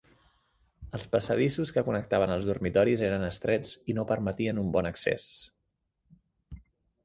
Els passadissos que connectaven els dormitoris eren estrets i no permetien un bon accés.